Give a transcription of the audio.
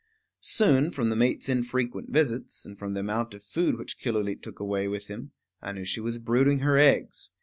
Soon, from the mate's infrequent visits, and from the amount of food which Killooleet took away with him, I knew she was brooding her eggs.